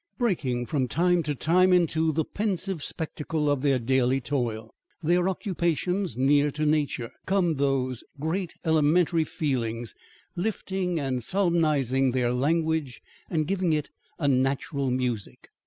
Breaking from time to time into the pensive spectacle of their daily toil, their occupations near to nature, come those great elementary feelings, lifting and solemnising their language and giving it a natural music.